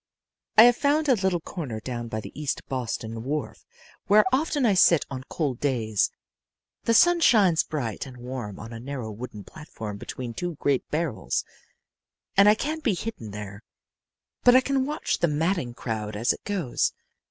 "I have found a little corner down by the East Boston wharf where often I sit on cold days. The sun shines bright and warm on a narrow wooden platform between two great barrels, and I can be hidden there, but I can watch the madding crowd as it goes.